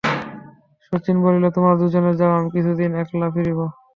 শচীশ বলিল, তোমরা দুজনে যাও, আমি কিছুদিন একলা ফিরিব।